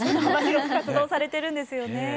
幅広く活動されてるんですよね。